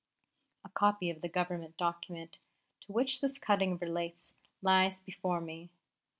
A copy of the Government document to which this cutting relates lies before me.